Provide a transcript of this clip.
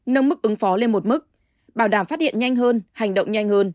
nâng mức ứng phó lên một mức bảo đảm phát hiện nhanh hơn hành động nhanh hơn